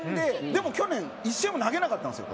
でも去年１試合も投げなかったんですよ。